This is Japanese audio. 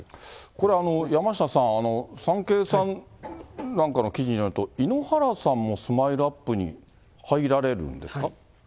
これ、山下さん、サンケイさんなんかの記事によると、井ノ原さんもスマイルアップに入られるんですか？